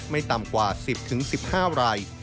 ไม่ต่ำกว่า๑๐๑๕ราย